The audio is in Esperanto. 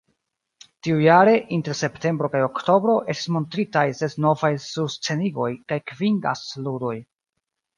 Tiujare, inter septembro kaj oktobro, estis montritaj ses novaj surscenigoj kaj kvin gastludoj.